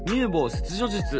切除術。